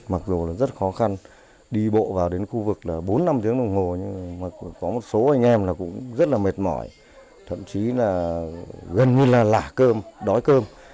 mặc dù rất khó khăn đi bộ vào đến khu vực bốn năm tiếng đồng hồ nhưng có một số anh em cũng rất mệt mỏi thậm chí gần như là lả cơm đói cơm